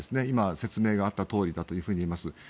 今、説明があったとおりだと思います。